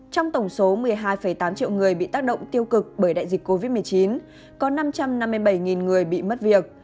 trong tổng số một mươi hai tám triệu người bị tác động tiêu cực bởi đại dịch covid một mươi chín có năm trăm năm mươi bảy người bị mất việc